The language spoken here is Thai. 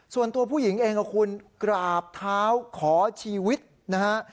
ส่วนตัวผู้หญิงเองกับคุณกราบเท้าขอชีวิตนะฮะ